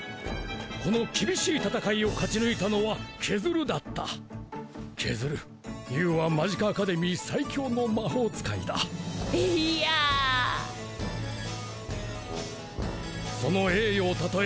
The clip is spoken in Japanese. この厳しい戦いを勝ち抜いたのはケズルだったケズルＹＯＵはマジカアカデミー最強の魔法使いだいやぁその栄誉をたたえ